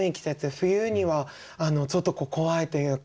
冬にはちょっと怖いというか。